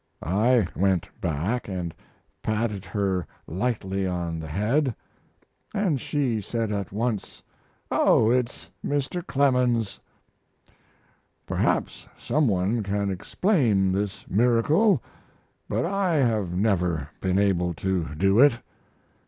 I went back and patted her lightly on the head, and she said at once, "Oh, it's Mr. Clemens." Perhaps some one can explain this miracle, but I have never been able to do it.